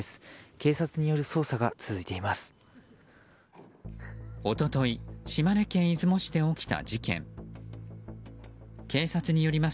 警察による捜査が続いています。